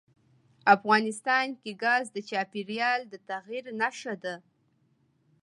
افغانستان کې ګاز د چاپېریال د تغیر نښه ده.